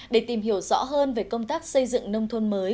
để tìm hiểu rõ hơn về công tác xây dựng nông thôn mới